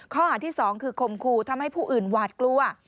ข้อหาที่๒คือคมครูทำให้ผู้อื่นหวาดกลัว